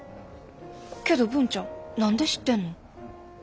けど文ちゃん何で知ってんの？